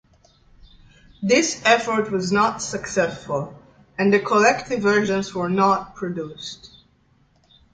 This effort was not successful and the collectible versions were not produced.